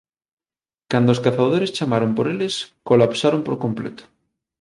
Cando os cazadores chamaron por eles, colapsaron por completo.